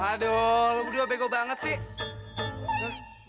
aduh lo berdua bego banget sih